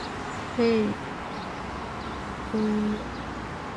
হেই, Winnie.